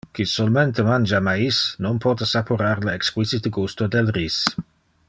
qui solmente mangia mais non pote saporar le exquisite gusto del ris